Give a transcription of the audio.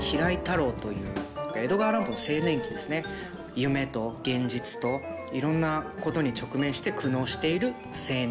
夢と現実といろんなことに直面して苦悩している青年。